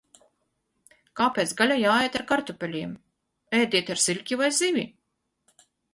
Kāpēc gaļa jāēd ar kartupeļiem? Ēdiet ar siļķi vai zivi!